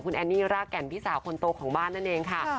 พี่แจ๊กล้างจานนะ